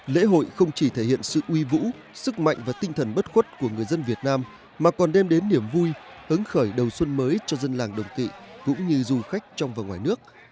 lễ hội không chỉ thể hiện sự uy vũ sức mạnh và tinh thần bất khuất của người dân việt nam mà còn đem đến niềm vui hứng khởi đầu xuân mới cho dân làng đồng kỵ cũng như du khách trong và ngoài nước